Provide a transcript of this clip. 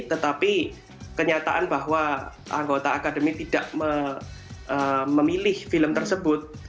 tetapi kenyataan bahwa anggota akademi tidak memilih film tersebut